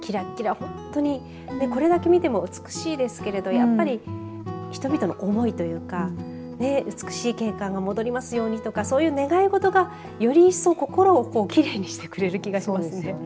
本当にこれだけ見ても美しいですけれどやっぱり人々の思いというか、ね美しい景観が戻りますようにとかそういう願い事がより一層、心をきれいにしてくれる気がしますね。